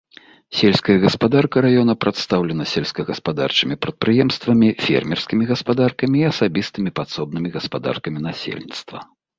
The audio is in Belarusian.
Сельская гаспадарка раёна прадстаўлена сельскагаспадарчымі прадпрыемствамі, фермерскімі гаспадаркамі і асабістымі падсобнымі гаспадаркамі насельніцтва.